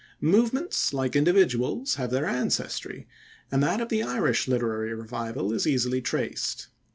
Movements, like individuals, have their ancestry, and that of the Irish Literary Revival is easily traced.